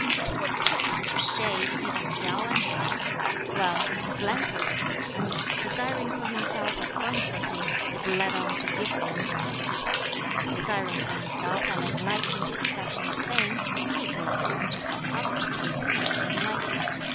He would put into shade even Yau and Shun! Well, a philanthropic person, desiring for himself a firm footing, is led on to give one to others; desiring for himself an enlightened perception of things, he is led on to help others to be similarly enlightened.